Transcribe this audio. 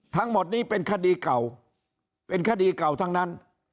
ทั้งหมดนี้เป็นคดีเก่าเป็นคดีเก่าทั้งนั้น